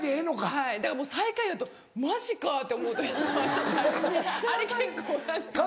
はいだからもう最下位だとマジか！って思う時とかちょっとあります